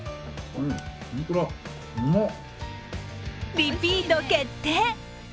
リピート決定！